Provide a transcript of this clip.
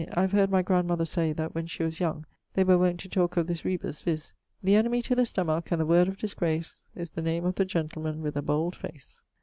I have heard my grandmother say that when she was young, they were wont to talke of this rebus, viz., The enemie to the stomack, and the word of disgrace, Is the name of the gentleman with a bold face.